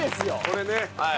これね。